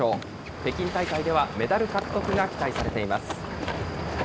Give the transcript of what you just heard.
北京大会ではメダル獲得が期待されています。